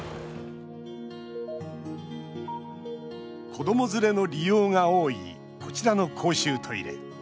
子ども連れの利用が多いこちらの公衆トイレ。